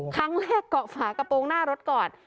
ครั้งแรกเกาะฝากระโปรงหน้ารถก่อน